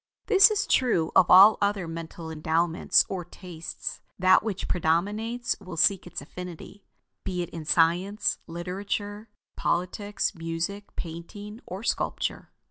This is true of all other mental endowments or tastes; that which predominates will seek its affinity; be it in science, literature, politics, music, painting, or sculpture.